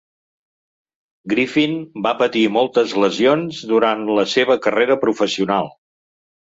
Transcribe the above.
Griffin va patir moltes lesions durant la seva carrera professional.